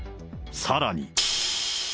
さらに。